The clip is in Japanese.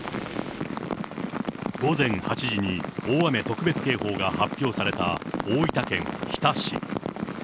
午前８時に大雨特別警報が発表された大分県日田市。